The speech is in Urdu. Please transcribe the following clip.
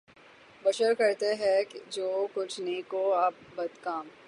بشر کرتے ہیں جو کچھ نیک و بد کام